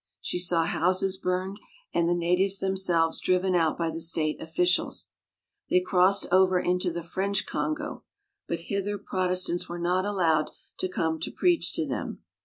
She saw houses burned and the natives themselves driven out by the state officials. They crossed over into the French Congo ; but hither Protestants were NORA GORDON 51 not allowed to come to preach to them.